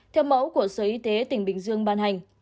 theo mẫu của sở y tế tỉnh bình dương ban hành